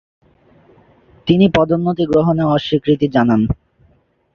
তিনি পদোন্নতি গ্রহণে অস্বীকৃতি জানান।